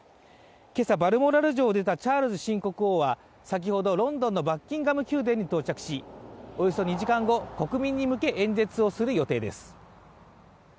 今朝、バルモラル城を出たチャールズ新国王は先ほどロンドンのバッキンガム宮殿に到着しおよそ２時間後、国民に向け演説する予定です。